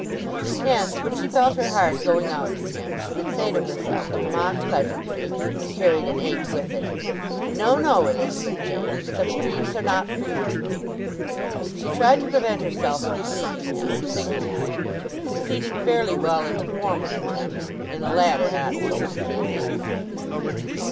Hence, when she felt her heart going out to him, she would say to herself with a mock pleasantry that carried an ache with it, "No, no, Elizabeth Jane—such dreams are not for you!" She tried to prevent herself from seeing him, and thinking of him; succeeding fairly well in the former attempt, in the latter not so completely.